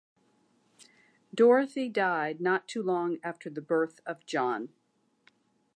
Dorothy died not too long after the birth of John.